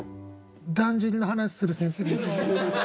だんじりの話する先生が。